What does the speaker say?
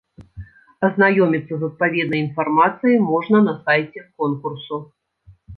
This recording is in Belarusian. Азнаёміцца з адпаведнай інфармацыяй можна на сайце конкурсу.